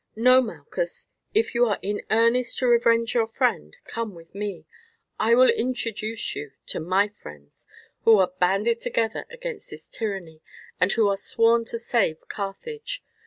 No, Malchus, if you are in earnest to revenge your friend come with me, I will introduce you to my friends, who are banded together against this tyranny, and who are sworn to save Carthage.